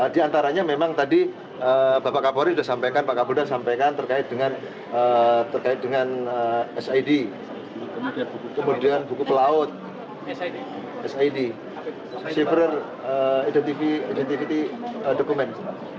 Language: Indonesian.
di antaranya memang tadi bapak kapolri sudah sampaikan pak kapolda sampaikan terkait dengan sid kemudian buku pelaut sid siver identity dokumen